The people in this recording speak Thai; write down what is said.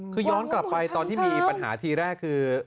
คือย้อนกลับไปตอนที่มีปัญหาทีแรกคือ